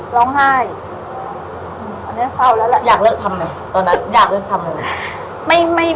ตอนหนักอยากเลิกทำยังไง